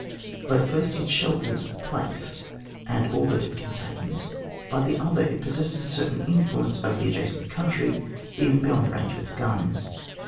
By the first it shelters the place, and all that it con tains ; by the other it possesses a certain influence over the adjacent country, even beyond the range of its guns.